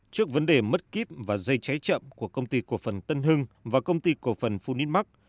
trước vấn đề mất kíp và dây cháy chậm của công ty cổ phần tân hưng và công ty cổ phần phu ninh mắc